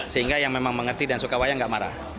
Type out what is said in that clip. sehingga yang memang mengerti dan suka wayang nggak marah